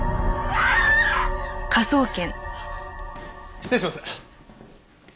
失礼します。